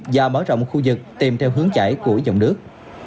và mở rộng khu vực tìm theo hướng chảy của dòng nước